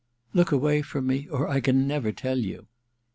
•Look away from me, or I can never tell you.'